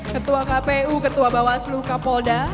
ketua kpu ketua bawaslu kapolda